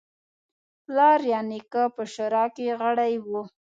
پلار یا نیکه په شورا کې غړی و.